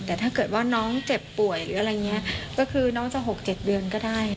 แต่ถ้าเกิดว่าน้องเจ็บป่วยหรืออะไรอย่างนี้ก็คือน้องจะ๖๗เดือนก็ได้